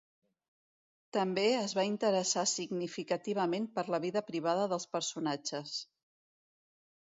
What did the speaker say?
També es va interessar significativament per la vida privada dels personatges.